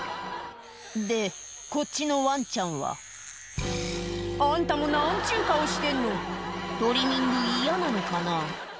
でこっちのワンちゃんはあんたも何ちゅう顔してんのトリミング嫌なのかな？